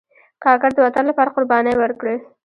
کاکړ د وطن لپاره قربانۍ ورکړي.